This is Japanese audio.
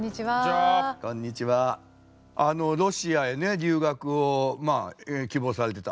あのロシアへね留学を希望されてた。